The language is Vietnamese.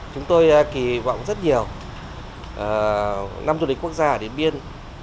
chúng tôi kỳ vọng rất nhiều năm du lịch quốc gia ở điện biên